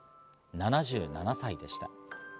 ７７歳でした。